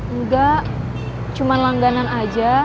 enggak cuma langganan aja